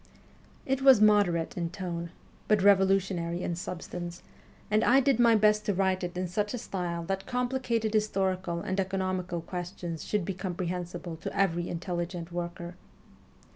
It was moderate in tone, but revolutionary in substance, and I did my best to write it in such a style that complicated historical and economical questions should be comprehensible to every intelligent worker.